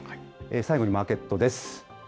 最後にマーケットです。